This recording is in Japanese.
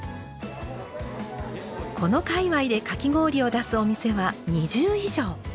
この界わいでかき氷を出すお店は２０以上。